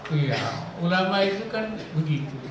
iya ulama itu kan begitu